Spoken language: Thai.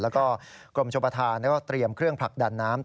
แล้วก็กรมชมประธานก็เตรียมเครื่องผลักดันน้ำ